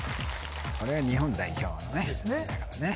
これは日本代表のねですね